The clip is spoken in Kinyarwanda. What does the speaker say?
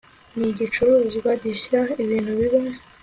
n igicuruzwa gishya ibintu biba